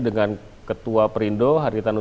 dengan ketua perindo haritano